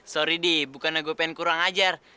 sorry di bukannya gue pengen kurang ajar